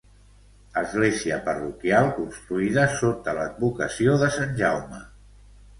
Església parroquial construïda sota l'advocació de Sant Jaume.